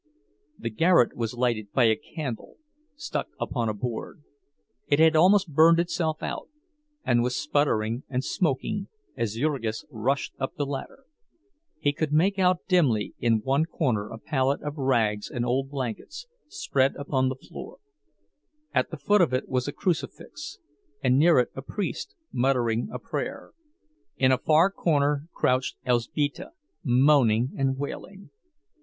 The garret was lighted by a candle stuck upon a board; it had almost burned itself out, and was sputtering and smoking as Jurgis rushed up the ladder. He could make out dimly in one corner a pallet of rags and old blankets, spread upon the floor; at the foot of it was a crucifix, and near it a priest muttering a prayer. In a far corner crouched Elzbieta, moaning and wailing.